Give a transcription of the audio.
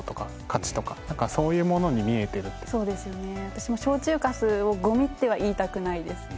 私も焼酎粕をゴミっては言いたくないですね。